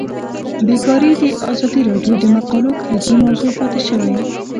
بیکاري د ازادي راډیو د مقالو کلیدي موضوع پاتې شوی.